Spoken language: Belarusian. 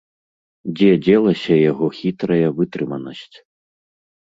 Дзе дзелася яго хітрая вытрыманасць!